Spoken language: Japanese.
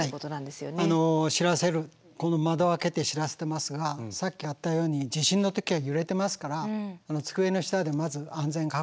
窓を開けて知らせてますがさっきあったように地震の時は揺れてますから机の下でまず安全確保。